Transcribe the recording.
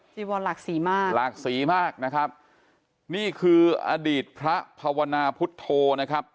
จีวอนหลากสีมากหลากสีมากนะครับนี่คืออดีตพระภาวนาพุทธโธนะครับ